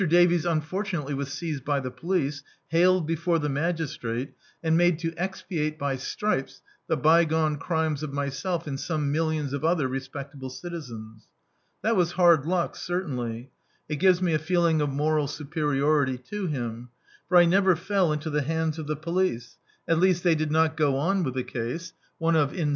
Davies un fortunately was seized by the police; haled before the magistrate; and made to expiate by stripes the bygone crimes of myself and some millions of other respectable citizens. That was hard luck, certainly. It gives me a feeling of moral superiority to him; for I never fell into the hands of the police — at least they did not go on with the case (one of in [ziii] D,i.